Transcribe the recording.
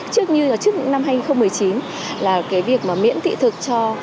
trước như là trước những năm hai nghìn một mươi chín là cái việc miễn tị thực